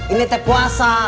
ini teh puasa